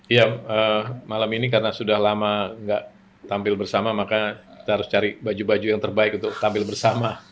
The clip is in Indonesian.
iya malam ini karena sudah lama nggak tampil bersama maka kita harus cari baju baju yang terbaik untuk tampil bersama